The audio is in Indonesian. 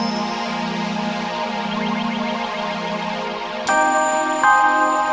sampai jumpa di masjid adnur